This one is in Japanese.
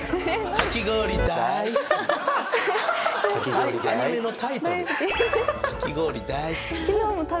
かき氷だい好き。